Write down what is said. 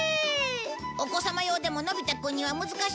お子さま用でものび太くんには難しいのか